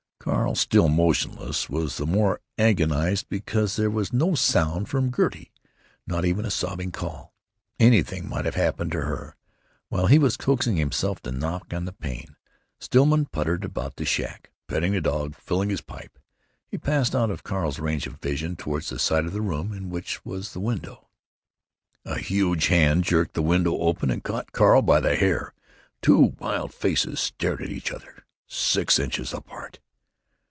Carl, still motionless, was the more agonized because there was no sound from Gertie, not even a sobbing call. Anything might have happened to her. While he was coaxing himself to knock on the pane, Stillman puttered about the shack, petting the dog, filling his pipe. He passed out of Carl's range of vision toward the side of the room in which was the window. A huge hand jerked the window open and caught Carl by the hair. Two wild faces stared at each other, six inches apart.